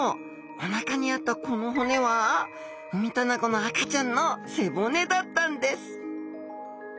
お腹にあったこの骨はウミタナゴの赤ちゃんの背骨だったんです。